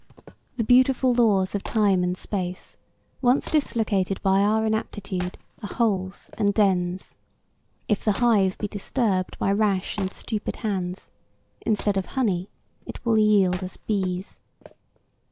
The beautiful laws of time and space, once dislocated by our inaptitude, are holes and dens. If the hive be disturbed by rash and stupid hands, instead of honey it will yield us bees.